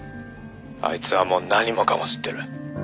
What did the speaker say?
「あいつはもう何もかも知ってる」